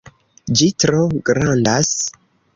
Ĝi tro grandas.